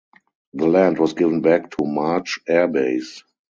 The land was given back to March Air Base.